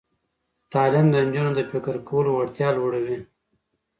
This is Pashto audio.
تعلیم د نجونو د فکر کولو وړتیا لوړوي.